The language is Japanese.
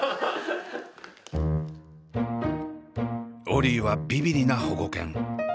オリィはビビリな保護犬。